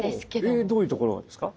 えどういうところがですか？